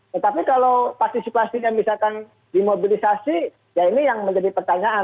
tetapi kalau partisipasinya misalkan dimobilisasi ya ini yang menjadi pertanyaan